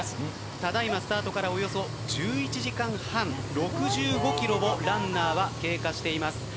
ただいまスタートからおよそ１１時間半６５ｋｍをランナーは通過しています。